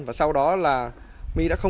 mở rộng điều tra